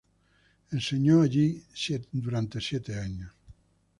Enseñó allí por siete años.